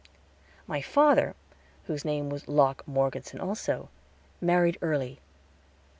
My father, whose name was Locke Morgeson also, married early.